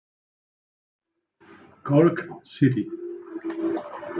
Cork City.